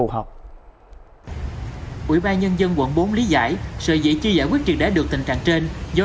hợp ủy ban nhân dân quận bốn tp hcm lý giải sự dị chi giải quyết triệt để được tình trạng trên do